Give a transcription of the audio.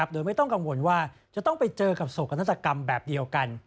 โดยไม่ต้องกังวลว่าจะต้องไปเจอกับโศกนาฏกรรมแบบเดียวกัน